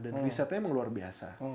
dan risetnya memang luar biasa